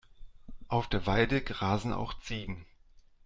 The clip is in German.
Auf der Weide grasen auch Ziegen.